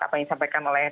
apa yang disampaikan oleh